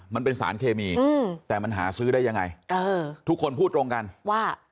มันเป็นสารเคมีอืมแต่มันหาซื้อได้ยังไงเออทุกคนพูดตรงกันว่า